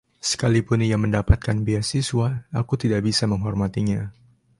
Sekalipun ia mendapatkan beasiswa, aku tidak bisa menghormatinya.